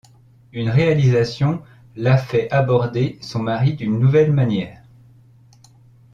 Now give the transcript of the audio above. Une réalisation la fait aborder son mari d'une nouvelle manière.